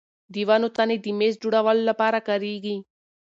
د ونو تنې د مېز جوړولو لپاره کارېږي.